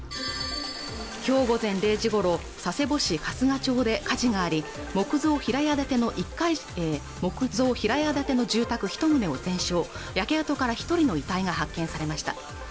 今日午前０時ごろ佐世保市春日町で火事があり木造平屋建ての平屋建ての住宅一棟を全焼焼け跡から一人の遺体が発見されました